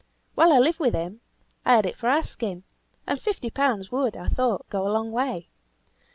While I lived with him, I had it for asking; and fifty pounds would, I thought, go a long way.